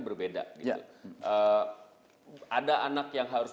berbeda gitu ada anak yang harus